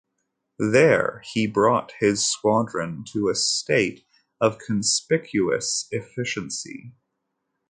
There, he brought his squadron to a state of conspicuous efficiency.